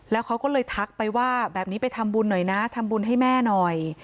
แล้วเขาก็เลยทักไปว่าแบบนี้ไปทำบุญหน่อยนะทำบุญให้แม่หน่อย